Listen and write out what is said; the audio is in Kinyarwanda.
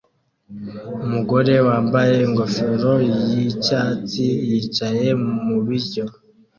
Umugore wambaye ingofero yicyatsi yicaye mubiryo